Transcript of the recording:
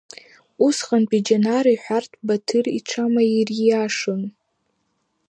Усҟатәи Џьанар иҳәартә Баҭыр иҽамаириашон.